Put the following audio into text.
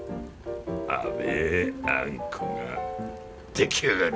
甘えあんこが出来上がる。